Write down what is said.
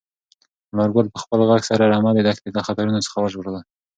انارګل په خپل غږ سره رمه د دښتې له خطرونو څخه وژغورله.